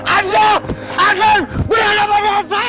anda akan berhadapan sama saya